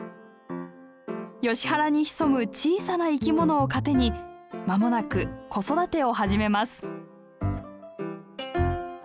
ヨシ原に潜む小さな生き物を糧に間もなく子育てを始めます。